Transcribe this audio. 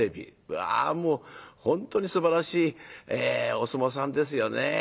うわもう本当にすばらしいお相撲さんですよね。